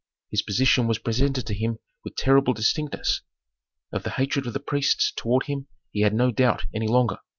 His position was presented to him with terrible distinctness. Of the hatred of the priests toward him he had no doubt any longer.